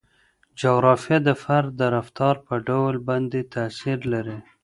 جغرافیه د فرد د رفتار په ډول باندې تاثیر لري.